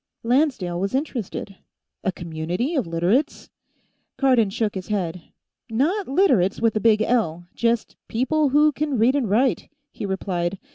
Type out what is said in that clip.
Lancedale was interested. "A community of Literates?" Cardon shook his head. "Not Literates with a big L; just people who can read and write," he replied.